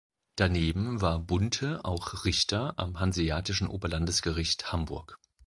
Daneben war Bunte auch Richter am Hanseatischen Oberlandesgericht Hamburg.